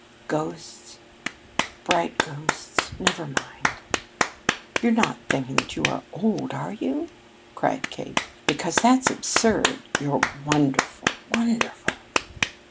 "Ghosts bright ghosts. Never mind." "You're not thinking that you are old, are you?" cried Kate. "Because that's absurd. You're wonderful wonderful."